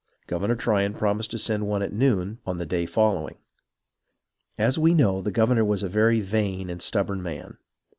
Governor Tryon promised to send one at noon on the day following. As we know, the governor was a very vain and stubborn man.